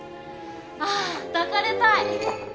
ああ抱かれたい。